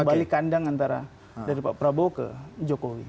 balik kandang antara dari pak prabowo ke jokowi